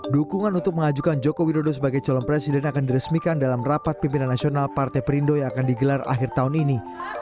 dukungan untuk mengajukan joko widodo sebagai calon presiden akan diresmikan dalam rapat pimpinan nasional partai perindo yang akan digelar akhir tahun ini